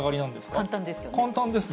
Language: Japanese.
簡単ですね。